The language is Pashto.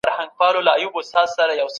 ماشومان د ښه ژوندانه د لرلو حق لري.